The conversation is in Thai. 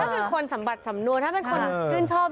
เป็นคนสัมผัสสำนวนถ้าเป็นคนชื่นชอบ